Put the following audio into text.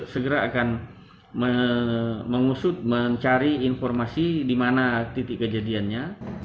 segera akan mengusut mencari informasi di mana titik kejadiannya